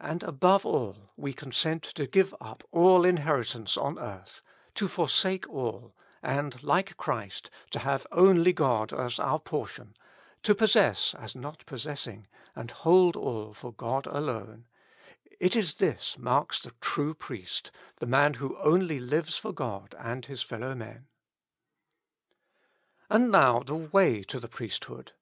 And above all, we consent to give up all inheritance on earth ; to forsake all, and like Christ to have only God as our portion : to possess as not possessing, and hold all for God alone ; it is this marks the true priest, the man who only lives for God and his fellow men. And now ^/le way to the priesthood.